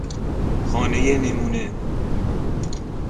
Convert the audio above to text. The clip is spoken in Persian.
خانهی نمونه